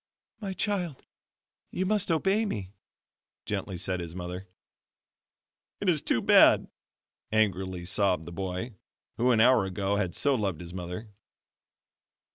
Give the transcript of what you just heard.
"My child, you must obey me," gently said his mother. "It is too bad," angrily sobbed the boy, who an hour ago had so loved his mother.